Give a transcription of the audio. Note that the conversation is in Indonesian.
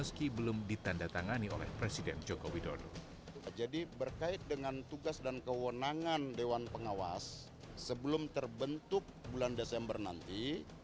sebelum terbentuk bulan desember nanti